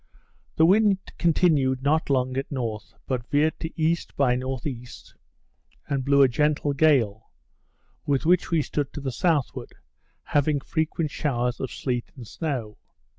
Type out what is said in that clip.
The wind continued not long at north, but veered to E. by N.E., and blew a gentle gale, with which we stood to the southward; having frequent showers of sleet and snow.